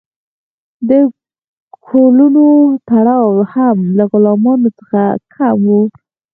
د کولونو تړاو هم له غلامانو څخه کم و.